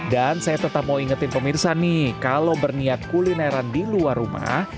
dan saya tetap mau ingetin pemirsa nih kalau berniat kulineran di luar rumah